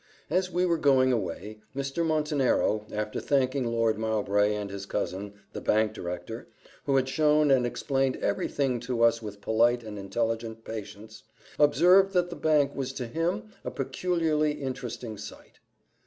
As we were going away, Mr. Montenero, after thanking Lord Mowbray and his cousin, the Bank director, who had shown and explained every thing to us with polite and intelligent patience, observed that the Bank was to him a peculiarly interesting sight.